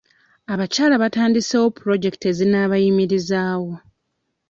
Abakyala batandisewo pulojekiti ezinaabayimirizawo.